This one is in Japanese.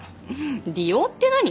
利用って何？